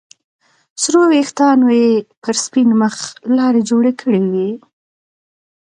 سرو ويښتانو يې پر سپين مخ لارې جوړې کړې وې.